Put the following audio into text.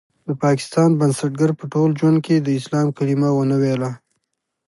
د پاکستان بنسټګر په ټول ژوند کې د اسلام کلمه ونه ويله.